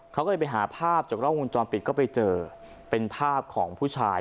เขาก็เลยไปหาภาพจากกล้องวงจรปิดก็ไปเจอเป็นภาพของผู้ชาย